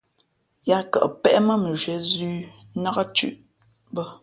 Yāā kαʼ péʼ mά mʉnzhwīē zʉ̄ nák thʉ̄ʼ bᾱ.